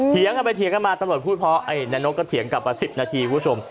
เถียงกันไปเถียงกันมาตำรวจพูดเพราะไอ้นายนกก็เถียงกลับมา๑๐นาทีคุณผู้ชม